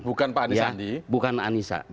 bukan pak anis andi